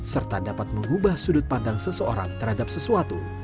serta dapat mengubah sudut pandang seseorang terhadap sesuatu